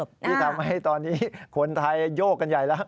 ที่ทำให้ตอนนี้คนไทยโยกกันใหญ่แล้ว